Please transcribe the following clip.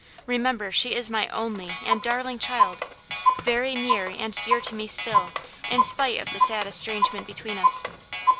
Remember she is my only and darling child very near and dear to me still, in spite of the sad estrangement between us."